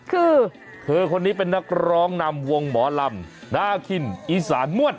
คือเธอคนนี้เป็นนักร้องนำวงหมอลำนาคินอีสานมวด